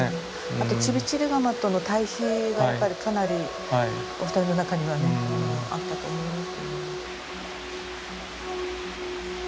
あとチビチリガマとの対比がやっぱりかなりお二人の中にはねあったと思います。